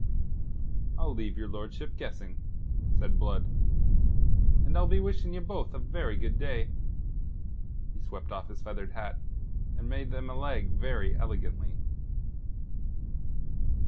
"I'll leave your lordship guessing," said Blood. "And I'll be wishing ye both a very good day." He swept off his feathered hat, and made them a leg very elegantly.